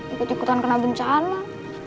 ikut ikutan kena bencana